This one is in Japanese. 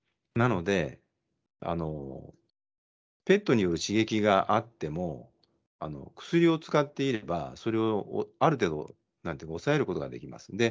なのでペットによる刺激があっても薬を使っていればそれをある程度抑えることができます。